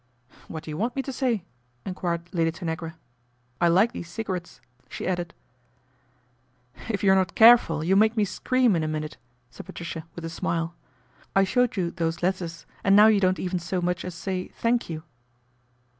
' What do you want me to say ?" enquired Lady Tanagra. ."I like these cigarettes," she added. " If you are not careful, you'll make me scream in a minute," said Patricia, with a smile. " I showed you those letters and now you don't even so much as say ' thank you.'